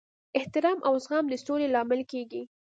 احترام او زغم د سولې لامل کیږي.